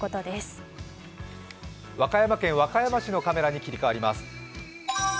和歌山県和歌山市のカメラに切り替えます。